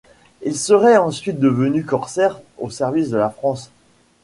Il serait ensuite devenu corsaire au service de la France.